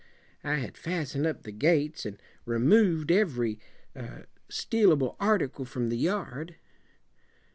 I had fasten ed up the gates and remov ed every stealable ar ticle from the yard.'"